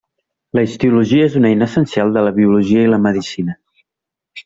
La histologia és una eina essencial de la biologia i la medicina.